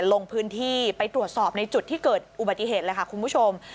ลงพื้นที่ไปตรวจสอบในจุดที่เกิดอุบัติเหตุเลยค่ะคุณผู้ชม